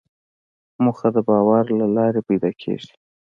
موخه د باور له لارې پیدا کېږي.